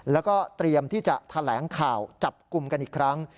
แล้วก็เตรียมที่จะแถลงข่าวจับกลุ่มกันอีกครั้ง